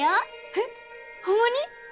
えっほんまに？